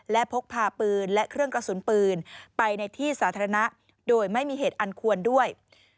และพกพาปืนและเครื่องกระสุนปืนไปในที่สาธารณะโดยไม่มีเหตุอันควรด้วย